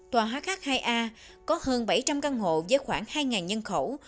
tòa h hai a có hơn bảy trăm linh căn hộ với khoảng hai nhân khẩu